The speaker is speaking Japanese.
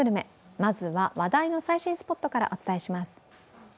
まずは話題の最新スポットからお伝えします。